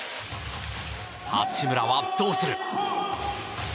八村はどうする？